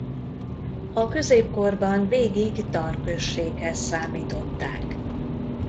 A középkorban végig Tar községhez számították.